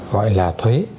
gọi là thuế